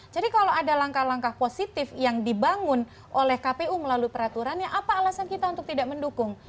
jadi kalau ada langkah langkah positif yang dibangun oleh kpu melalui peraturan ya apa alasan kita untuk tidak mendukung